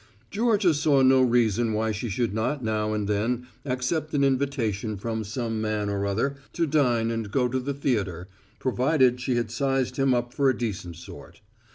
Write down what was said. Georgia saw no reason why she should not now and then accept an invitation from some man or other to dine and go to the theatre, provided she had sized him up for a decent sort.